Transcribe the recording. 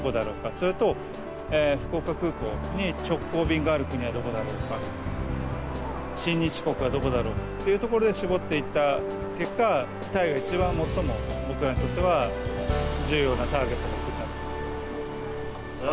それと、福岡空港に直行便がある国はどこだろうか親日国はどこだろうというところで絞っていった結果タイが一番最も、僕らにとっては重要なターゲット。